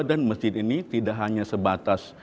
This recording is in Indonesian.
dan masjid ini tidak hanya sebatas